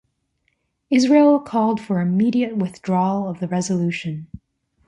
Israel called for immediate withdrawal of the resolution.